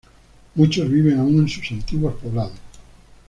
Muchos viven aún en sus antiguos poblados.